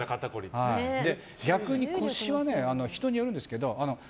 逆に腰は人によるんですけど